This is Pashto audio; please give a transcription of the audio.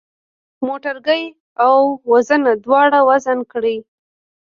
موټرګی او وزنه دواړه وزن کړئ.